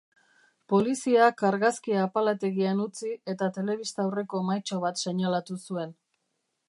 Poliziak argazkia apalategian utzi eta telebista aurreko mahaitxo bat seinalatu zuen.